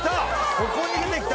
ここに出てきた。